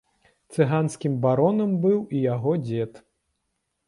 Цыганскім баронам быў і яго дзед.